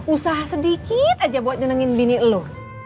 usaha sedikit aja buat nyenengin bini lu